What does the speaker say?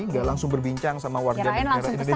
nggak langsung berbincang sama warga negara indonesia